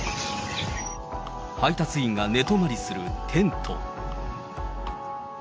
配達員が寝泊まりするテント。